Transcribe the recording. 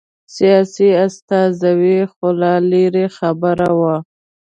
سیاسي استازولي خو لرې خبره وه.